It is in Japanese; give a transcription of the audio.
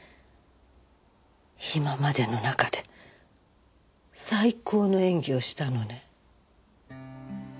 今までの中で最高の演技をしたのね。